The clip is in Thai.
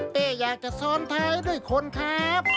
พี่อยากจะชอบไทยด้วยคนครับ